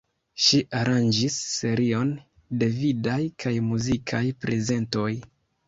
Ŝi aranĝis serion de vidaj kaj muzikaj prezentoj.